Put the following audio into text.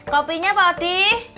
kopinya pau de